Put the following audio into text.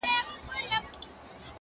توري جامې ګه دي راوړي دي، نو وایې غونده،